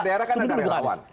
itu tidak ada aturan